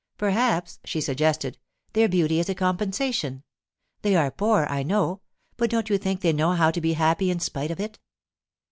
'Perhaps,' she suggested, 'their beauty is a compensation. They are poor, I know; but don't you think they know how to be happy in spite of it?